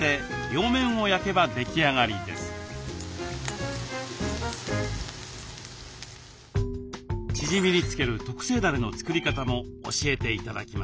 チヂミにつける特製だれの作り方も教えて頂きます。